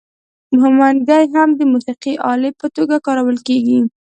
منګی هم د موسیقۍ الې په توګه کارول کیږي.